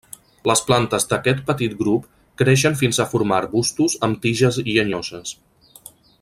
Les plantes d'aquest petit grup creixen fins a formar arbustos amb tiges llenyoses.